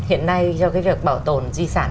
hiện nay cho việc bảo tồn di sản